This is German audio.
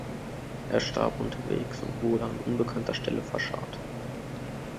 Er starb unterwegs und wurde an unbekannter Stelle verscharrt.